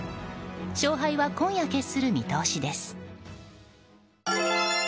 勝敗は今夜、決する見通しです。